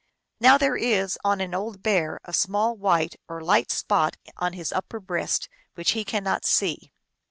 Now there is on an old bear a small white or light spot on his upper breast, which he cannot see.